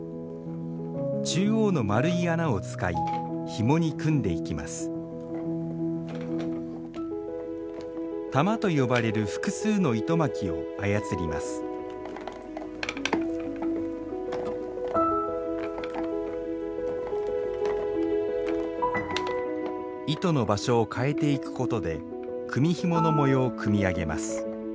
中央の丸い穴を使いひもに組んでいきます「玉」と呼ばれる複数の糸巻きを操ります糸の場所を変えていくことで組みひもの模様を組み上げます。